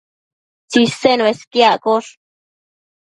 Tsisen uesquiaccosh